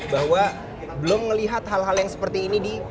bahwa belum melihat hal hal yang seperti ini di